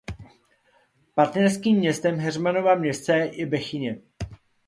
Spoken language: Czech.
Partnerským městem Heřmanova Městce je Bechyně.